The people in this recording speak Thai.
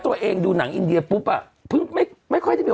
โปรดติดตามตอนต่อไป